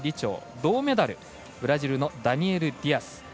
銅メダル、ブラジルのダニエル・ディアス。